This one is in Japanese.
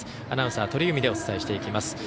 アナウンサー、鳥海でお伝えしていきます。